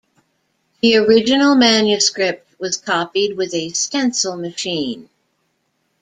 The original manuscript was copied with a stencil machine.